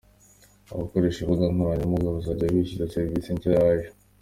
Abakoresha imbuga nkoranyambaga bazajya bishyuzwa serivisi nshya yaje